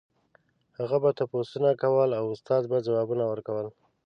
هغه به تپوسونه کول او استاد به ځوابونه ورکول.